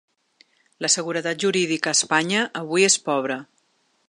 La seguretat jurídica a Espanya avui és pobra.